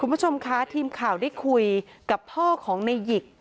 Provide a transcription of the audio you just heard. คุณผู้ชมคะทีมข่าวได้คุยกับพ่อของในหยิก